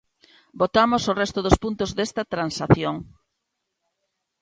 Votamos o resto dos puntos desta transacción.